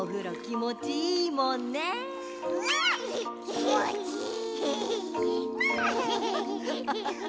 きもちいい！